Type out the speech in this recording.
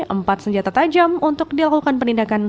empat senjata tajam untuk dilakukan penindakan